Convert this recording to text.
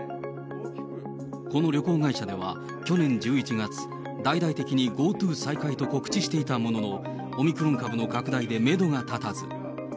この旅行会社では、去年１１月、大々的にＧｏＴｏ再開と告知していたものの、オミクロン株の拡大でメドが立たず。